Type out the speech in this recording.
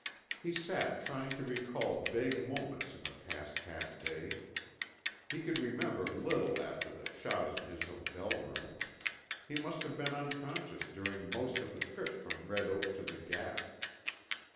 He sat trying to recall vague moments in the past half day. He could remember little after the shot in his hotel room. He must have been unconscious during most of the trip from Red Oak to the Gap.